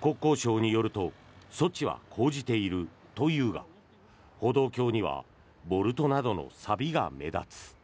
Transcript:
国交省によると措置は講じているというが歩道橋にはボルトなどのさびが目立つ。